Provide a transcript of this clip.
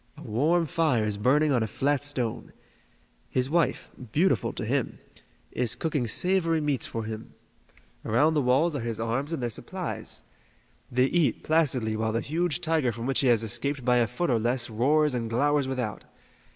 A warm fire is burning on a flat stone. His wife beautiful to him is cooking savory meats for him. Around the walls are his arms and their supplies. They eat placidly while the huge tiger from which he has escaped by a foot or less roars and glowers without.